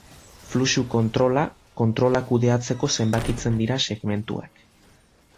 Fluxu-kontrola kontrola kudeatzeko zenbakitzen dira segmentuak.